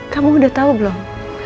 kamu udah tau belum